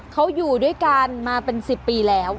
เขาอยู่ด้วยกันมาเป็น๑๐ปีแล้ว